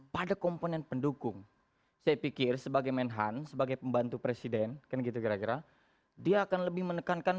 pada komponen pendukung saya pikir sebagai menhan sebagai pembantu presiden dia akan lebih menekankan